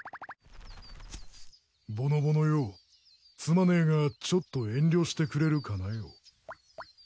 ぼのぼのよすまねえがちょっと遠慮してくれるかなよ。